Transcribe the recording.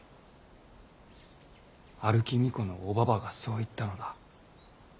歩き巫女のおばばがそう言ったのだ。